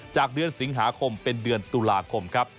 จากเดือนสิงหาคมเป็นเดือนตุลาคมครับ